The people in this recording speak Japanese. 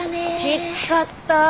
きつかった。